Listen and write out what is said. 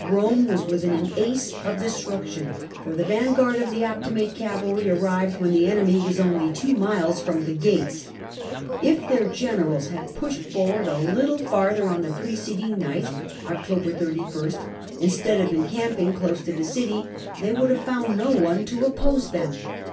Rome was within an ace of destruction, for the vanguard of the Optimate cavalry arrived when the enemy were only two miles from the gates. If their generals had pushed for ward a little farther on the preceding night (October 31st), instead of encamping close to the city, they would have found no one to oppose them.